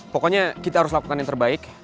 pokoknya kita harus lakukan yang terbaik